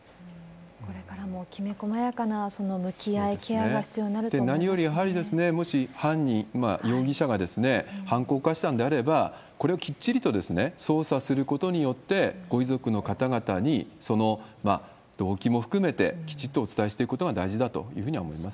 これからもきめこまやかなその向き合い、ケアが必要になると何より、やはりもし犯人、容疑者が犯行を犯したのであれば、これをきっちりと捜査することによって、ご遺族の方々に、その動機も含めてきちっとお伝えしていくことが大事だと思います